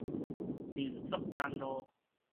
民族東路